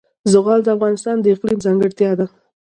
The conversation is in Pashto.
زغال د افغانستان د اقلیم ځانګړتیا ده.